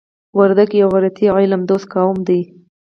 وردګ یو غیرتي او علم دوسته قوم دی.